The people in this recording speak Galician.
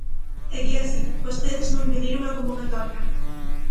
É que é así, vostedes non pediron a convocatoria.